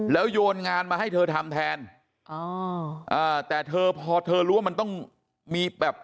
แล้วโยนงานมาให้เธอทำแทนอ๋ออ่าแต่เธอพอเธอรู้ว่ามันต้องมีแบบ